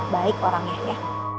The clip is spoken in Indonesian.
baik orangnya ya